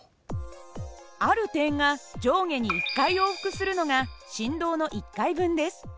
ある点が上下に１回往復するのが振動の１回分です。